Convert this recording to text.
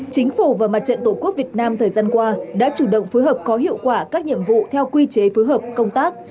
chính phủ và mặt trận tổ quốc việt nam thời gian qua đã chủ động phối hợp có hiệu quả các nhiệm vụ theo quy chế phối hợp công tác